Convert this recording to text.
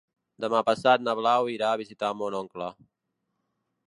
Demà passat na Blau irà a visitar mon oncle.